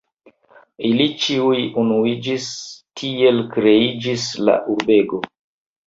Ili ĉiuj unuiĝis, tiel kreiĝis la urbego.